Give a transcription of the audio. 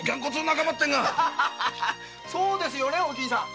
そうですよねお銀さん。